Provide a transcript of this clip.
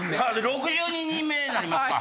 ６２人目なりますか！